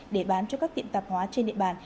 để bán cho các tiệm tạp hóa trên địa bàn